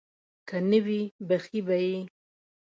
که نه وي بښي به یې.